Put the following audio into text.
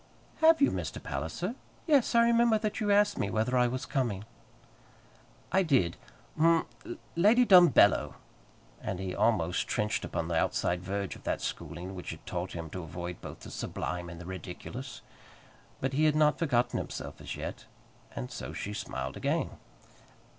"Have you, Mr. Palliser? Yes; I remember that you asked me whether I was coming." "I did. Hm Lady Dumbello!" and he almost trenched upon the outside verge of that schooling which had taught him to avoid both the sublime and the ridiculous. But he had not forgotten himself as yet, and so she smiled again.